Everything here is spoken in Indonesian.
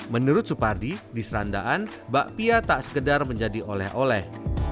menurut supardi di serandaan bakpia tak sekedar menjadi oleh oleh